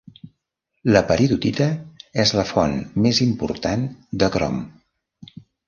La peridotita és la font més important de crom.